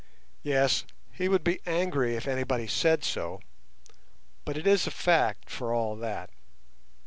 Yes, he would be angry if anybody said so, but it is a fact for all that.